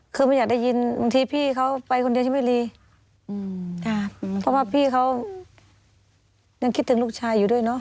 คือไม่อยากได้ยินบางทีพี่เขาไปคนเดียวที่ไม่รีอืมค่ะเพราะว่าพี่เขายังคิดถึงลูกชายอยู่ด้วยเนอะ